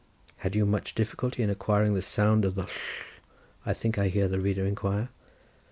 "Had you much difficulty in acquiring the sound of the ll?" I think I hear the reader inquire.